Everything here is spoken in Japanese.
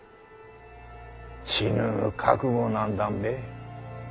死ぬ覚悟なんだんべ。